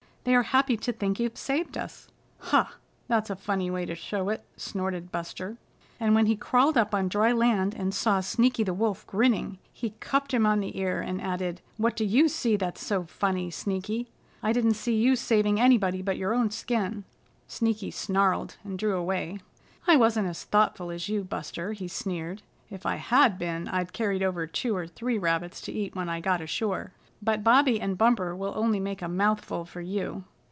"They are happy to think you've saved us." "Huh! That's a funny way to show it," snorted Buster. And when he crawled up on dry land, and saw Sneaky the Wolf grinning, he cuffed him on the ear, and added: "What do you see that's so funny, Sneaky? I didn't see you saving anybody but your own skin." Sneaky snarled and drew away. "I wasn't as thoughtful as you, Buster," he sneered. "If I had been I'd carried over two or three rabbits to eat when I got ashore. But Bobby and Bumper will only make a mouthful for you."